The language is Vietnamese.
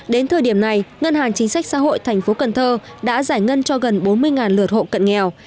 đến thời điểm này ngân hàng chính sách xã hội thành phố cần thơ đã giải ngân cho gần bốn mươi lượt hộ cận nghèo